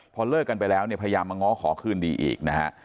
พอเลิกกันไปแล้วเนี่ยพยายามมาง้อขอคืนดีอีกนะฮะ